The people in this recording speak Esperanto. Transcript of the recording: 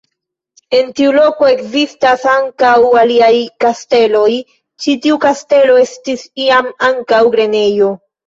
En tiu loko ekzistas ankaŭ aliaj kasteloj, ĉi tiu kastelo estis iam ankaŭ grenejo.